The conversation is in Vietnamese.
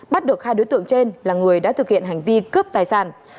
bắt được hai đối tượng trên là người đã thực hiện hành vi cướp tài sản